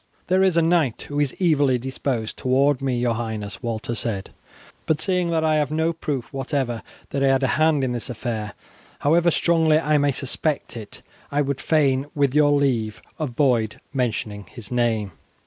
"There is a knight who is evilly disposed toward me, your highness," Walter said; "but seeing that I have no proof whatever that he had a hand in this affair, however strongly I may suspect it, I would fain, with your leave, avoid mentioning his name."